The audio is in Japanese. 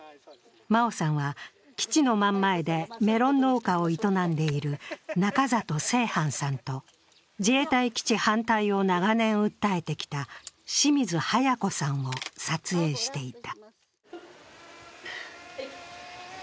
真生さんは基地の真ん前でメロン農家を営んでいる仲里成繁さんと自衛隊基地反対を長年訴えてきた清水早子さんを撮影していた。